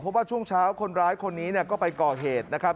เพราะว่าช่วงเช้าคนร้ายคนนี้ก็ไปก่อเหตุนะครับ